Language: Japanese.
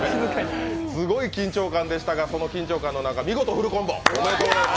すごい緊張感でしたがその緊張感の中、見事フルコンボ！